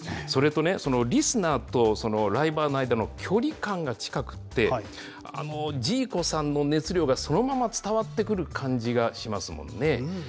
それとね、リスナーとライバーの間の距離感が近くって、ＪＩＫＯさんの熱量がそのまま伝わってくる感じがしますもんね。